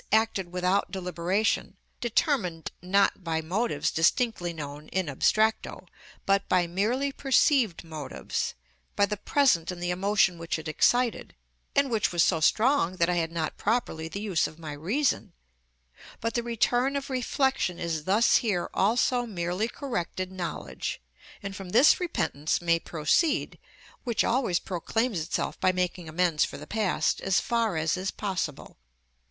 _, acted without deliberation, determined not by motives distinctly known in abstracto, but by merely perceived motives, by the present and the emotion which it excited, and which was so strong that I had not properly the use of my reason; but the return of reflection is thus here also merely corrected knowledge, and from this repentance may proceed, which always proclaims itself by making amends for the past, as far as is possible.